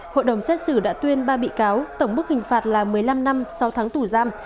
hội đồng xét xử đã tuyên ba bị cáo tổng bức hình phạt là một mươi năm năm sau tháng tù giam